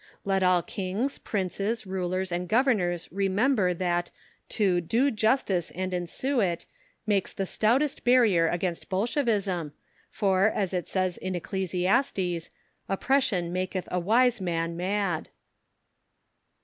Let all kings, princes, rulers and governors remember that to "do justice and ensue it" makes the stoutest barrier against Bolshevism, for, as it says in Ecclesiastes, "oppression maketh a wise man mad."